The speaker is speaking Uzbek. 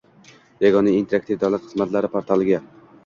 Yagona interaktiv davlat xizmatlari portaliga